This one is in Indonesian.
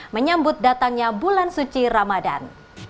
menyambut datangnya bulan suci ramadan